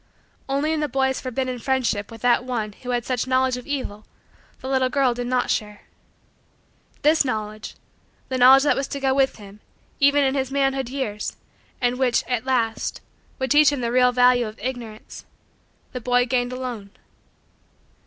Only in the boy's forbidden friendship with that one who had such knowledge of evil the little girl did not share. This knowledge the knowledge that was to go with him, even in his manhood years, and which, at last, would teach him the real value of Ignorance the boy gained alone.